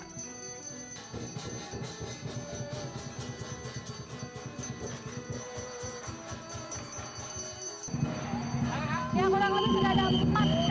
setelah berdoa tatung berkeliling di wilayah desanya